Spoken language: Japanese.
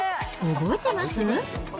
覚えてます？